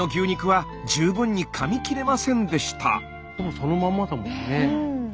そのまんまだもんね。